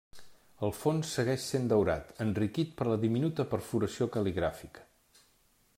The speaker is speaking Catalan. El fons segueix sent daurat, enriquit per la diminuta perforació cal·ligràfica.